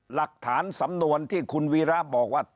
หลักฐานสำนวนที่คุณวีระบอกว่า